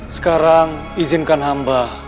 sekarang izinkan hamba